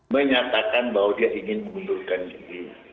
menyatakan bahwa dia ingin mengundurkan diri